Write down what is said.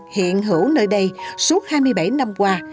hiện hữu nơi đây suốt hai mươi bảy năm qua